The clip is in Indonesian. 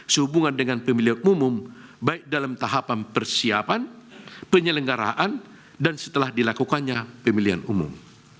sehubungan dengan pemilihan umum baik dalam tahapan persiapan penyelenggaraan dan setelah dilakukannya pemilihan umum